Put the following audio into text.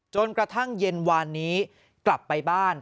จนกระทั่งเย็นวานนี้กลับไปบ้าน